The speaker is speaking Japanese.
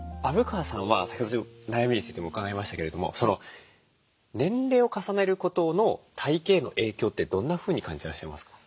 虻川さんは先ほど悩みについても伺いましたけれども年齢を重ねることの体形への影響ってどんなふうに感じていらっしゃいますか？